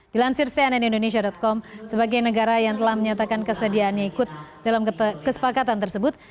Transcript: dilansir cnn indonesia com sebagai negara yang telah menyatakan kesediaannya ikut dalam kesepakatan tersebut